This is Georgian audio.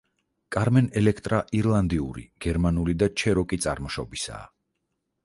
კარმენ ელექტრა ირლანდიური, გერმანული და ჩეროკი წარმოშობისაა.